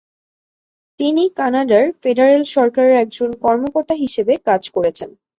তিনি কানাডার ফেডারেল সরকারের একজন কর্মকর্তা হিসেবে কাজ করেছেন।